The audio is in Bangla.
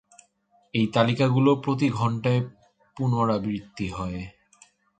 এই তালিকাগুলো প্রতি ঘন্টায় পুনরাবৃত্তি হয়।